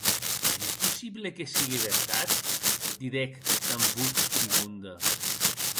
Ei possible que sigue vertat?, didec damb votz prigonda.